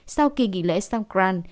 sau kỳ nghỉ lễ songkran